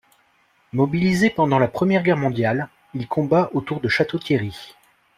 Mobilisé pendant la Première Guerre mondiale, il combat autour de Château-Thierry.